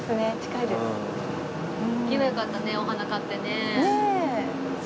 行けばよかったねお花買ってね。